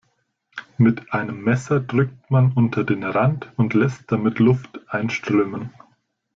Mit einem Messer drückt man unter den Rand und lässt damit Luft einströmen.